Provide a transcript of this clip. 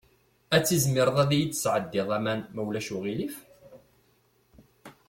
Ad tizmireḍ ad iyi-d-tesɛeddiḍ aman, ma ulac aɣilif?